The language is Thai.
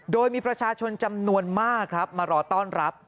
โดยมีประชาชนจำนวนมากครับมารอต้อนรับ